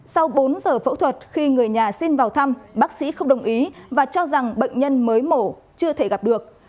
sau bốn giờ phẫu thuật khi người nhà xin vào thăm bác sĩ không đồng ý và cho rằng bệnh nhân mới mổ chưa thể gặp được